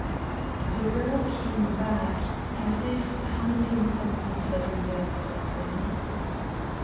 The girl came back, as if finding some comfort in their presence.